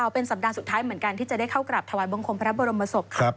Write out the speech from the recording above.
เป็นสัปดาห์สุดท้ายเหมือนกันที่จะได้เข้ากราบถวายบังคมพระบรมศพ